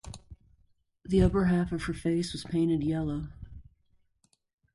The upper half of her face was painted yellow.